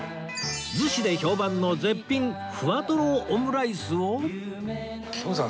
逗子で評判の絶品ふわとろオムライスを